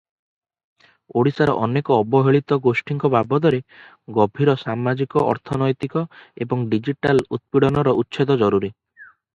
ଓଡ଼ିଶାର ଅନେକ ଅବହେଳିତ ଗୋଷ୍ଠୀଙ୍କ ବାବଦରେ ଗଭୀର ସାମାଜିକ-ଅର୍ଥନୈତିକ ଏବଂ ଡିଜିଟାଲ ଉତ୍ପୀଡ଼ନର ଉଚ୍ଛେଦ ଜରୁରୀ ।